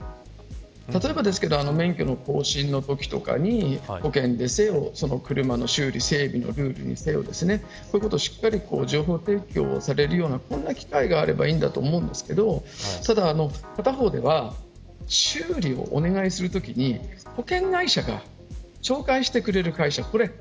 例えば免許の更新のときとかに保険にせよ、車の整備のルールにせよそういうことがしっかり情報提供されるような機会があればいいと思うんですけどただ、片方では修理をお願いするときに保険会社が紹介してくれる会社。